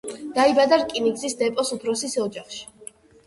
დაიბადა რკინიგზის დეპოს უფროსის ოჯახში.